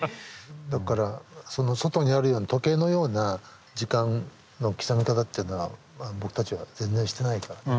だからその外にあるような時計のような時間の刻み方っていうのは僕たちは全然してないからね。